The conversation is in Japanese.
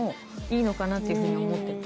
なのかなっていうふうに思ってて。